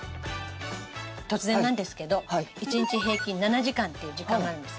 突然なんですけど１日平均７時間っていう時間があるんです。